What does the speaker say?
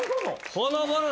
ほのぼの？